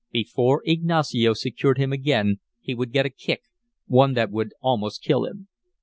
Before Ignacio secured him again he would get a kick, one that would almost kill him.